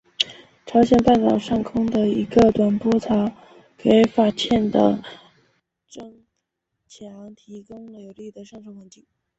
朝鲜半岛上空的一个短波槽给法茜的增强提供了有利的上层环境。